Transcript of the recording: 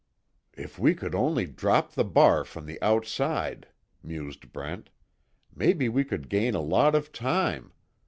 "If we could only drop the bar from the outside," mused Brent, "Maybe we could gain a lot of time.